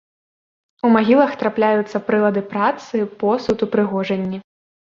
У магілах трапляюцца прылады працы, посуд, упрыгожанні.